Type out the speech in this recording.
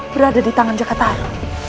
berada di tangan jakataru